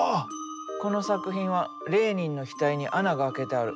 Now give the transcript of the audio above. この作品はレーニンの額に穴が開けてある。